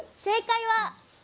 正解は！